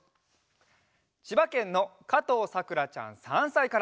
ちばけんのかとうさくらちゃん３さいから。